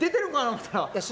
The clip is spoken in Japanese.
思うたら。